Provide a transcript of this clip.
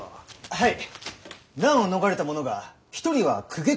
はい。